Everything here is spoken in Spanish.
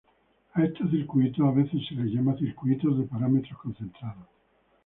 A estos circuitos a veces se les llama circuitos de parámetros concentrados.